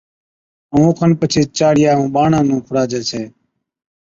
ائُون اوکن پڇي چاڙِيا ائُون ٻاڙان نُون کُڙاجَي ڇَي